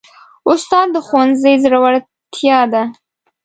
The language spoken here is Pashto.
استاد د ښوونځي زړورتیا ده.